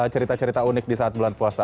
cerita cerita unik disaat bulan puasa